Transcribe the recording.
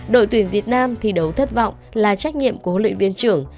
đội tuyển việt nam thi đấu thất vọng là trách nhiệm của hội liên viên trưởng